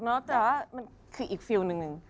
มันคืออีกฟิวหนึ่ง